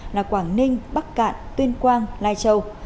là quảng ninh bắc cạn tuyên quang lai châu